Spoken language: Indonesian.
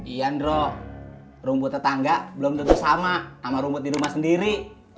iya andro rumput tetangga belum tentu sama sama rumput di rumah sendiri